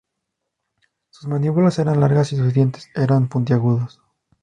Sus mandíbulas eran largas y sus dientes eran puntiagudos.